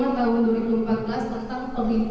pada tahun dua ribu enam belas sd berubah menjadi sd